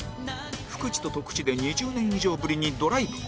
ふくちととくちで２０年以上ぶりにドライブ